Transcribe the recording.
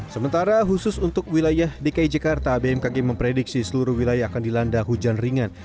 sementara khusus untuk wilayah dki jakarta bmkg memprediksi seluruh wilayah akan dilanda hujan ringan